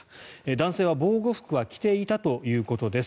男性は防護服は着ていたということです。